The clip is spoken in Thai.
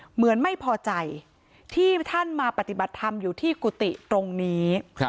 เหมือนไม่พอใจที่ท่านมาปฏิบัติธรรมอยู่ที่กุฏิตรงนี้